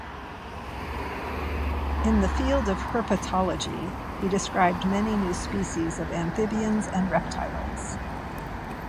In the field of herpetology he described many new species of amphibians and reptiles.